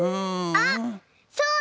あっそうだ！